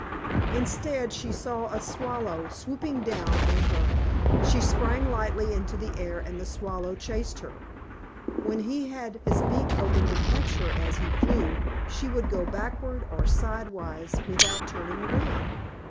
Instead, she saw a Swallow swooping down on her. She sprang lightly into the air and the Swallow chased her. When he had his beak open to catch her as he flew, she would go backward or sidewise without turning around.